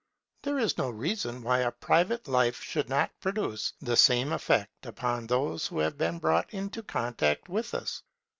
There is no reason why a private life should not produce the same effect upon those who have been brought into contact with it.